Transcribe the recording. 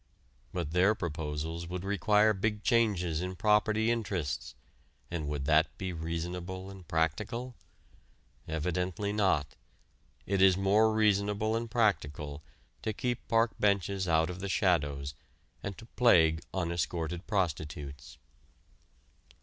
But their proposals would require big changes in property interests, and would that be "reasonable and practical"? Evidently not: it is more reasonable and practical to keep park benches out of the shadows and to plague unescorted prostitutes.